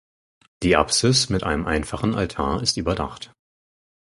Die Apsis mit einem einfachen Altar ist überdacht.